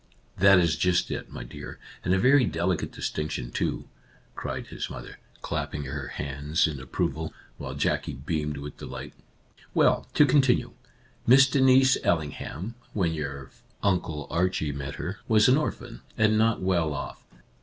" That is just it, my dear, and a very deli cate distinction, too," cried his mother, clap Our Little Canadian Cousin 13 ping her hands in approval, while Jackie beamed with delight. " Well, to continue : Miss Denise Ailing ham, when your Uncle Archie met her, was an orphan, and not well off.